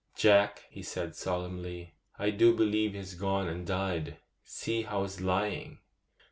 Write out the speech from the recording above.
'Jack,' he said solemnly, 'I do believe he's gone and died! See how he's lying.